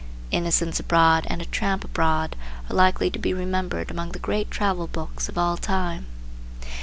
The "Innocents Abroad" and "A Tramp Abroad" are likely to be remembered among the great travel books of all time.